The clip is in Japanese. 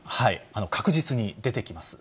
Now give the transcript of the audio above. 確実に出てきます。